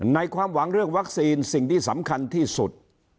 ความหวังเรื่องวัคซีนสิ่งที่สำคัญที่สุด